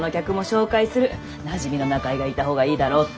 なじみの仲居がいた方がいいだろうって。